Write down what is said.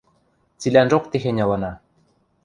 Цилӓнжок техень ылына.